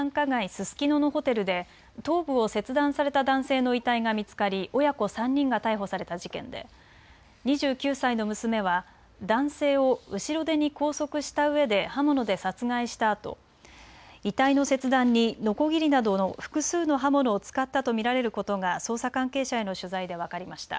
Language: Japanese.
ススキノのホテルで頭部を切断された男性の遺体が見つかり親子３人が逮捕された事件で２９歳の娘は男性を後ろ手に拘束したうえで刃物で殺害したあと遺体の切断にのこぎりなどの複数の刃物を使ったと見られることが捜査関係者への取材で分かりました。